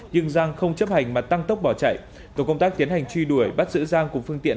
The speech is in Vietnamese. nhưng giang không chấp hành mà tăng tốc bỏ chạy tổ công tác tiến hành truy đuổi bắt giữ giang cùng phương tiện